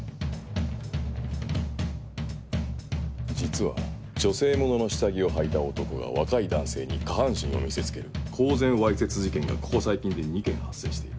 実は女性物の下着をはいた男が若い男性に下半身を見せつける公然わいせつ事件がここ最近で２件発生している。